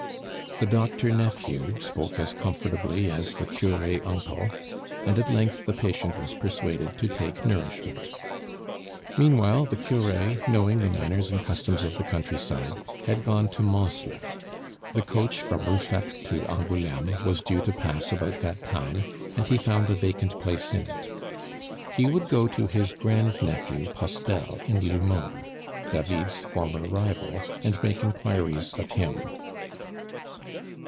The doctor nephew spoke as comfortably as the cure uncle, and at length the patient was persuaded to take nourishment. Meanwhile the cure, knowing the manners and customs of the countryside, had gone to Mansle; the coach from Ruffec to Angouleme was due to pass about that time, and he found a vacant place in it. He would go to his grand nephew Postel in L'Houmeau (David's former rival) and make inquiries of him.